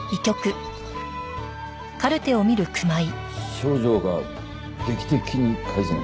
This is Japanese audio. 症状が劇的に改善？